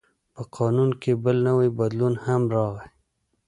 په قانون کې بل نوی بدلون هم راغی.